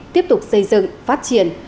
tiếp tục xây dựng phát triển